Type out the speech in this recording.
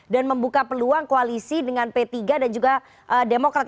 dan membuka peluang koalisi dengan p tiga dan juga demokrat